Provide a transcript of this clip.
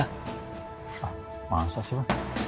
hah masa sih pak